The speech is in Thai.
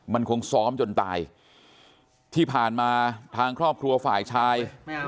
มันคงซ้อมจนตายที่ผ่านมาทางครอบครัวฝ่ายชาย